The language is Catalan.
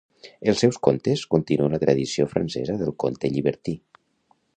Els seus contes continuen la tradició francesa del conte llibertí.